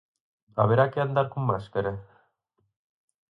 Haberá que andar con máscara?